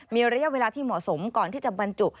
มีระยะเวลาที่เหมาะสมก่อนที่จะบรรจุ